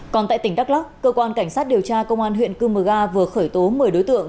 còn tại tỉnh đắk lắc cơ quan cảnh sát điều tra công an huyện cư mờ ga vừa khởi tố một mươi đối tượng